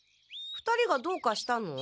２人がどうかしたの？